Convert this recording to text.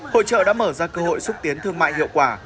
hội trợ đã mở ra cơ hội xúc tiến thương mại hiệu quả